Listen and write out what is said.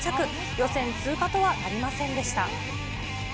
予選通過とはなりませんでした。